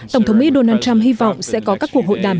tổng thống mỹ donald trump hy vọng sẽ có các cuộc hội đàm